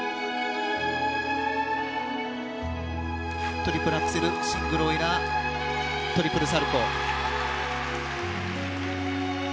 トリプルアクセルシングルオイラートリプルサルコウ。